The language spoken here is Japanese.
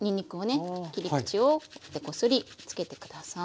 切り口をこすりつけて下さい。